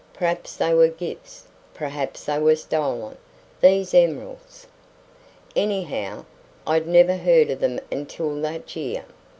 Perhaps they were gifts; perhaps they were stolen these emeralds. Anyhow, I'd never heard of them until that year.